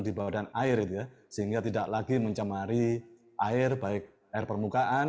di bawah dan air itu ya sehingga tidak lagi mencemari air baik air permukaan